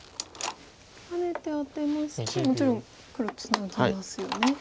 ハネてアテますともちろん黒ツナぎますよね。